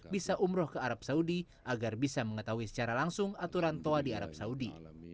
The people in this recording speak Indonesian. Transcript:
bisa umroh ke arab saudi agar bisa mengetahui secara langsung aturan toa di arab saudi